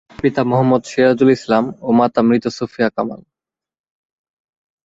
তার পিতা মোহাম্মদ সিরাজুল ইসলাম ও মাতা মৃত সুফিয়া বেগম।